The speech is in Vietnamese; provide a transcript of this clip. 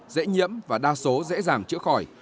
dễ nhiễm và đa số dễ dàng chữa khỏi